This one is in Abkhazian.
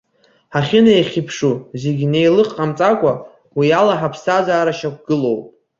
Ҳахьынеихьыԥшу зегьы неилых ҟамҵакәа уи ала ҳаԥсҭазаара шьақәгылоуп.